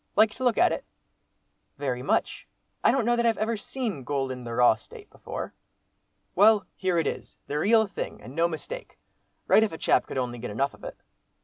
Like to look at it?" "Very much. I don't know that I've ever seen gold in the raw state before." "Well, here it is—the real thing, and no mistake. Right if a chap could only get enough of it."